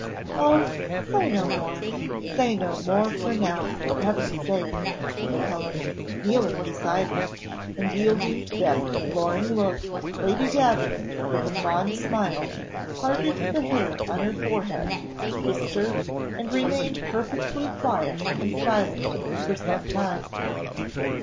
"Oh, say no more! say no more now, for Heaven's sake," said Helen, kneeling beside her; and, yielding to that imploring look, Lady Davenant, with a fond smile, parted the hair on her forehead, kissed her, and remained perfectly quiet and silent for some time.